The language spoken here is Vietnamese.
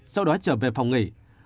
sau đó trở về phòng nghỉ